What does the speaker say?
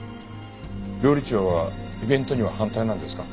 料理長はイベントには反対なんですか？